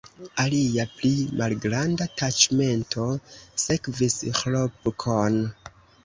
Alia pli malgranda taĉmento sekvis Ĥlopkon.